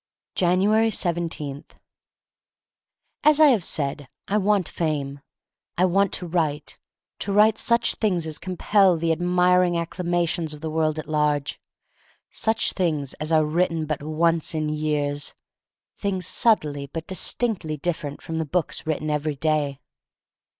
January 17* AS I have said, I want Fame. I want to write — to write such things as compel the admiring acclamations of the world at large; such things as are written but once in years, things subtly but distinctly different from the books written every day.